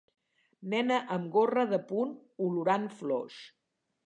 Nena amb gorra de punt, olorant flors.